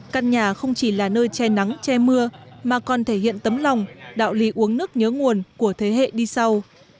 căn nhà không chỉ là nơi che nắng che mưa mà còn thể hiện tấm lòng đạo lý uống nước nhớ nguồn của thế hệ đi sau